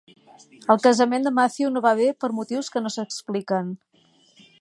El casament de Matthew no va bé per motius que no s'expliquen.